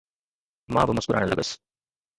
مان به مسڪرائڻ لڳس.